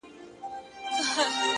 رب دي سپوږمۍ كه چي رڼا دي ووينمه”